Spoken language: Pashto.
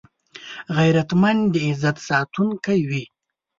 غیرتمند د عزت ساتونکی وي